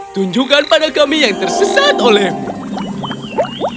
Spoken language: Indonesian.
tunjukkan pada kami yang tersesat olehmu